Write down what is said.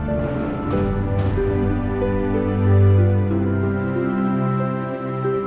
udah sana masuk kamar cek